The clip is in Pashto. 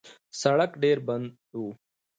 سړک ډېر بند و.